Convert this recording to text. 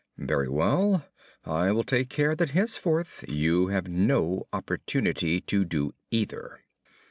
"Very well; I will take care that henceforth you have no opportunity to do either."